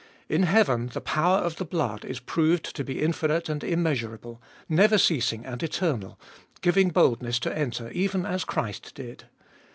In heaven the power of the blood is proved to be infinite and immeasurable, never ceasing and eternal, giving boldness to enter even as Christ did.